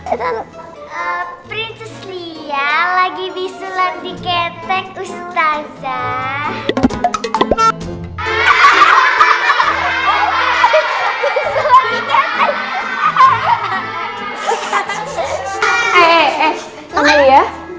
eh prinses lia lagi bisulan di ketek ustadzah